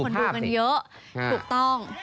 ถูกต้อง